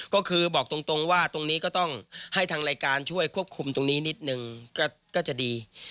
ก็คือบอกตรงว่าตรงนี้ก็ต้องให้ทางรายการช่วยควบคุมตรงนี้นิดนึงก็จะดี